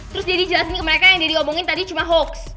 terus deddy jelasin ke mereka yang deddy ngomongin tadi cuma hoax